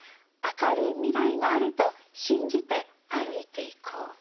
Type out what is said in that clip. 明るい未来があると信じて歩いていこう。